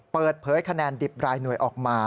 เปิดเผยคะแนนดิบรายหน่วยออกมา